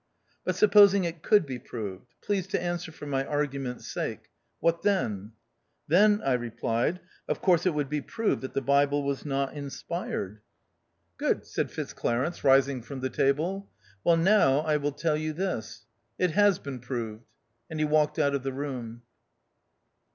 " But supposing it could be proved — please to answer for my argument's sake —what then ?" "Then," I replied, "of course it would be proved that the Bible was not inspired." 86 THE OUTCAST. "Good," said Fitzclarence, rising from the table. " Well now, I will tell you this. It has been proved," And he walked out of the room.